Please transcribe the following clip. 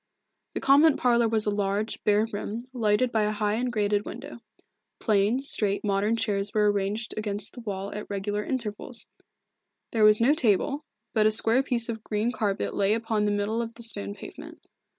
The convent parlour was a large, bare room, lighted by a high and grated window. Plain, straight, modern chairs were ranged against the wall at regular intervals. There was no table, but a square piece of green carpet lay upon the middle of the stone pavement.